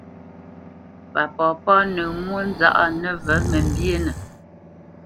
Pa papá nǝ̂ǝ̂ mwónzaʼ nǝvǝ̂ mǝmbyénǝ.